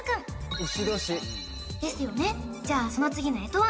うし年ですよねじゃあその次の干支は？